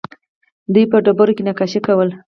دوی په ډبرو کې نقاشي کوله